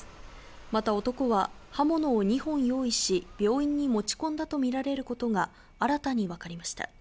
また男は刃物を２本用意し、病院に持ち込んだとみられることが新たにわかりました。